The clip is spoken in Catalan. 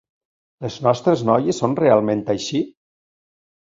Les nostres noies són realment així?